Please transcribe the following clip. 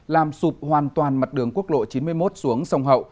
làm sụp hoàn toàn mặt đường quốc lộ chín mươi một xuống sông hậu